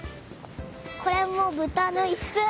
これもぶたのいす！